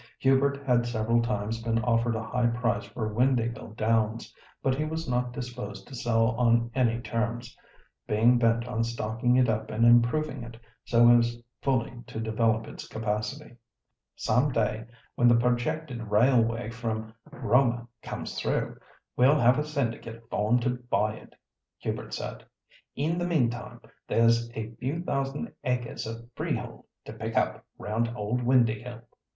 Hubert had several times been offered a high price for Windāhgil Downs, but he was not disposed to sell on any terms, being bent on stocking it up and improving it, so as fully to develop its capacity. "Some day, when the projected railway from Roma comes through, we'll have a syndicate formed to buy it," Hubert said. "In the meantime, there's a few thousand acres of freehold to pick up round old Windāhgil."